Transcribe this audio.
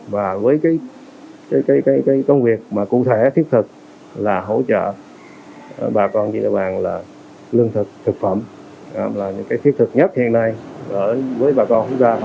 và với công việc cụ thể thiết thực là hỗ trợ bà con địa bàn là lương thực thực phẩm là những cái thiết thực nhất hiện nay với bà con quốc gia